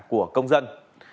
của công dân